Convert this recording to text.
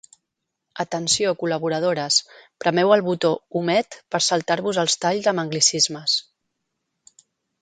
Atenció, col·laboradores: premeu el botó 'omet' per saltar-vos els talls amb anglicismes.